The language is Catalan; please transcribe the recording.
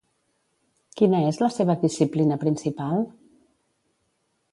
Quina és la seva disciplina principal?